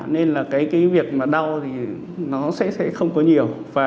nên là cái việc mà đau thì nó sẽ không có nhiều